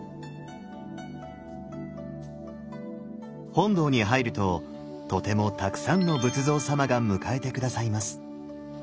本堂に入るととてもたくさんの仏像様が迎えて下さいます。